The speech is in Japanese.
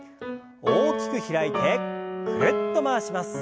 大きく開いてぐるっと回します。